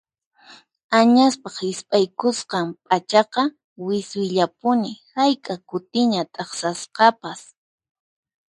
Añaspaq hisp'aykusqan p'achaqa wiswillapuni hayk'a kutiña t'aqsasqapas.